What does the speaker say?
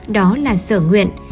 đó là sở nguyện